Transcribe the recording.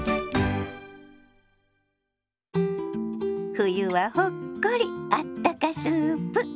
「冬はほっこりあったかスープ」。